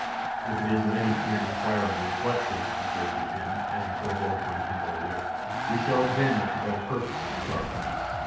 "If it is any point requiring reflection," observed Dupin, as he forebore to enkindle the wick, "we shall examine it to better purpose in the dark."